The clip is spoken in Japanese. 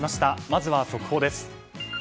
まずは速報です。